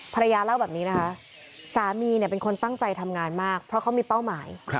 ภรรยาเล่าแบบนี้นะคะสามีเนี่ยเป็นคนตั้งใจทำงานมากเพราะเขามีเป้าหมาย